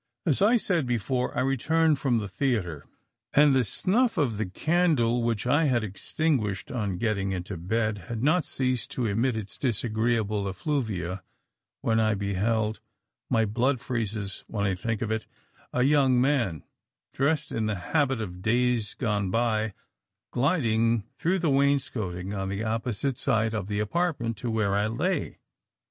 As I said before, I returned from the theatre, and the snuff of the candle, which I had extinguished on getting into bed, had not ceased to emit its disagreeable effluvia when I beheld my blood freezes when I think of it a young man, dressed in the habit of days gone by, gliding through the wainscoting on the opposite side of the apartment to where I lay.